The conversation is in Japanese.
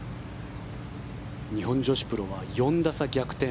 日本女子プロは４打差逆転。